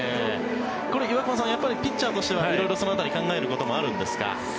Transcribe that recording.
これ、岩隈さんピッチャーとしては色々、その辺り考えることもあるんですか？